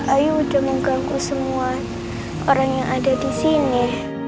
ayu udah mengganggu semua orang yang ada di sini